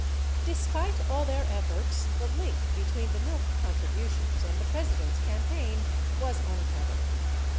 Despite all their efforts, the link between the milk contributions and the President's campaign was uncovered.